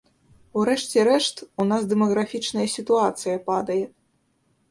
У рэшце рэшт, у нас дэмаграфічная сітуацыя падае.